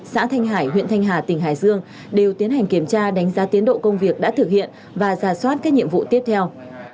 xã thanh hải huyện thanh hà tỉnh hải dương đều tiến hành kiểm tra đánh giá tiến độ công việc đã thực hiện và ra soát các nhiệm vụ tiếp theo